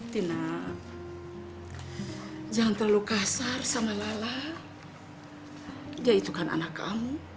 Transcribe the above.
tina jangan terlalu kasar sama lala dia itu kan anak kamu